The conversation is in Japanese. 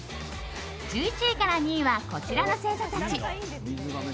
１１位から２位はこちらの星座たち。